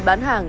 nấm hạt đông